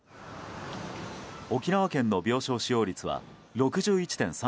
沖縄県の病床使用率は６１．３％。